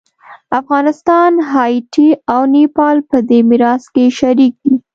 افغانستان، هایټي او نیپال په دې میراث کې شریک دي.